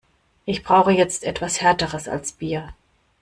Ich brauche jetzt etwas Härteres als Bier.